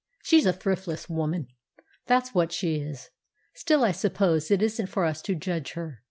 She's a thriftless woman, that's what she is. Still, I suppose it isn't for us to judge her."